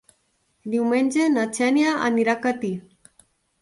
Diumenge na Xènia anirà a Catí.